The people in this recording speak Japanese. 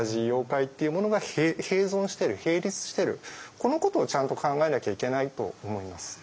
このことをちゃんと考えなきゃいけないと思います。